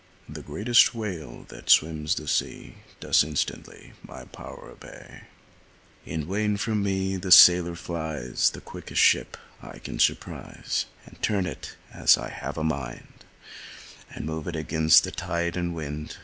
The greatest whale that swims the sea Does instantly my power obey. In vain from me the sailor flies, The quickest ship I can surprise, And turn it as I have a mind, And move it against tide and wind.